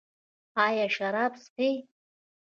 ایا شراب څښئ؟